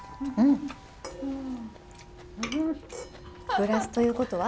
グラスということは？